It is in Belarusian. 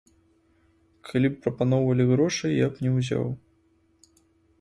Калі б прапаноўвалі грошы я б не ўзяў.